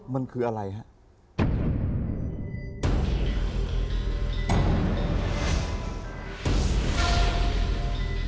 มันคืออะไรฮะ